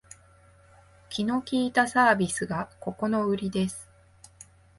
気の利いたサービスがここのウリです